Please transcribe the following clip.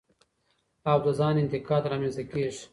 او د ځان انتقاد رامنځ ته کېږي.